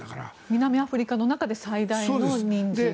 南アフリカの中で最大の人数ということで。